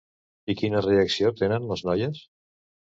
I quina reacció tenen les noies?